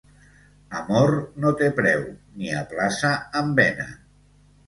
Amor no té preu, ni a plaça en venen.